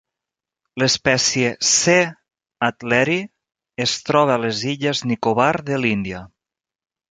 L'espècie "C. adleri" es troba a les illes Nicobar de l'Índia.